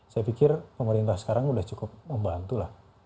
saya pikir pemerintah sekarang sudah cukup membantu lah